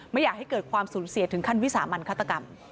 ไม่อยากให้เกิดความสูญเสียถึงขั้นวิสามันฆาตกรรม